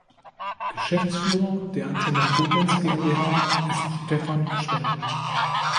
Geschäftsführer der Antenne Koblenz GmbH ist Stephan Schwenk.